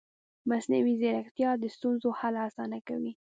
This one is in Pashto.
مصنوعي ځیرکتیا د ستونزو حل اسانه کوي.